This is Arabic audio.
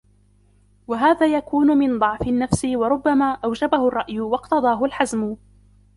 وَهَذَا يَكُونُ مِنْ ضَعْفِ النَّفْسِ وَرُبَّمَا أَوْجَبَهُ الرَّأْيُ وَاقْتَضَاهُ الْحَزْمُ